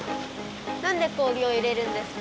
なんでこおりをいれるんですか？